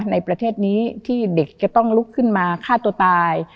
ในประเทศนี้ที่เด็กจะต้องลุกขึ้นมาฆ่าตัวตาย